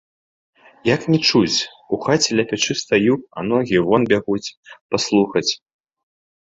Як не чуць, у хаце ля печы стаю, а ногі вон бягуць, паслухаць.